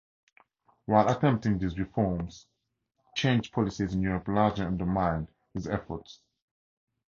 While attempting these reforms, changed policies in Europe largely undermined his efforts.